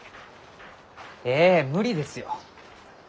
ええ無理ですよ。